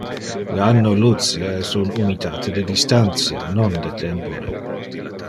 Le anno-luce es un unitate de distantia, non de tempore.